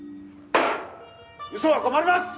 「嘘は困ります！」